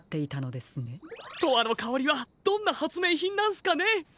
「とわのかおり」はどんなはつめいひんなんすかね？